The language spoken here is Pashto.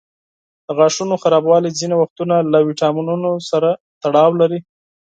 د غاښونو خرابوالی ځینې وختونه له ویټامینونو سره تړاو لري.